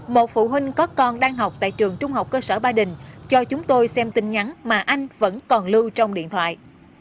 một phụ huynh có con đang học tại trường trung học cơ sở ba đình cho chúng tôi xem tin nhắn mà anh vẫn còn lưu trong điện thoại